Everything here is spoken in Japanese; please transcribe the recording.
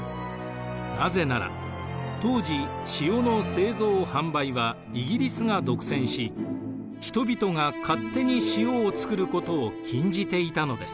なぜなら当時塩の製造販売はイギリスが独占し人々が勝手に塩を作ることを禁じていたのです。